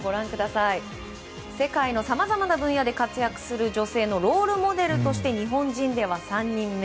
世界のさまざまな分野で活躍する女性のロールモデルとして日本人では３人目。